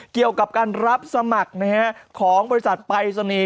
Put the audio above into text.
เกี่ยวกับการรับสมัครของบริษัทปรายศนีย์